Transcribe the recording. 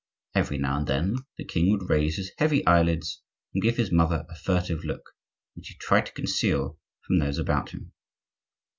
Every now and then the king would raise his heavy eyelids and give his mother a furtive look which he tried to conceal from those about him.